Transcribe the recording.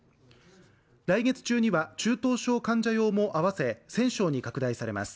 来月中には中等症患者用も合わせ１０００床に拡大されます